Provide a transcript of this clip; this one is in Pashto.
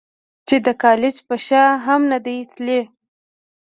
چې د کالج پۀ شا هم نۀ دي تلي -